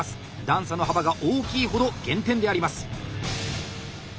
段差の幅が大きいほど減点であります。